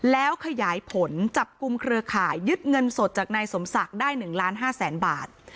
แล้วขยายผลจับกลุ่มเครือข่ายยึดเงินสดจากนายสมศักดิ์ได้๑ล้าน๕แสนบาท